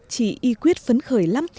chị y quyết phấn khởi lắm